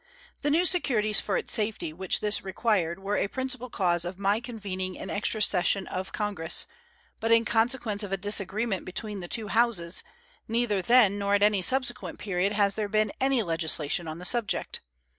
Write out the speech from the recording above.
The new securities for its safety which this required were a principal cause of my convening an extra session of Congress, but in consequence of a disagreement between the two Houses neither then nor at any subsequent period has there been any legislation on the subject.